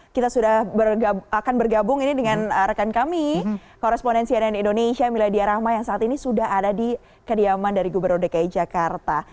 kita sudah akan bergabung ini dengan rekan kami korespondensi ann indonesia miladia rahma yang saat ini sudah ada di kediaman dari gubernur dki jakarta